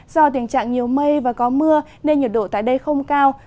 do tình trạng nhiều mây và có mưa nên nhiệt độ tại đây không cao